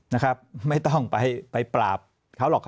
นะครับไม่ต้องไปปราบเขาหรอกครับ